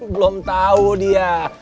belom tahu dia